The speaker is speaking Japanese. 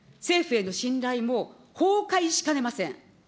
政府への信頼も崩壊しかねません。